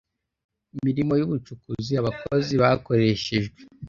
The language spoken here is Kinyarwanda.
mirimo y ubucukuzi abakozi bakoreshejwe